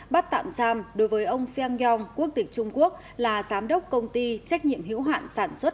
bắt tạm giam đối với ông feng yong quốc tịch trung quốc là giám đốc công ty trách nhiệm hữu hạn sản xuất